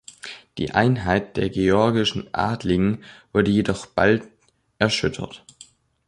Die Einheit der georgischen Adeligen wurde jedoch bald erschüttert.